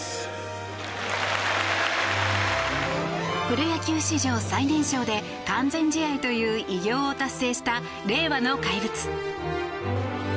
プロ野球史上最年少で完全試合という偉業を達成した令和の怪物。